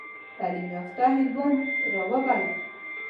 تعلیم یافته هندیان را وبلل.